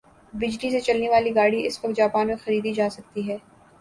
بجلی سے چلنے والی گاڑی اس وقت جاپان میں خریدی جاسکتی ھے